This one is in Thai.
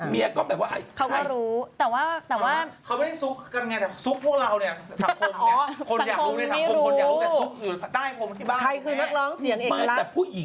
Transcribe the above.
เมียก็แบบว่าไอ้